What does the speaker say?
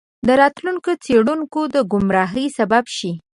د راتلونکو څیړونکو د ګمراهۍ سبب شي.